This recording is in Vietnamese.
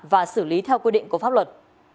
và xử lý theo quy định của pháp luật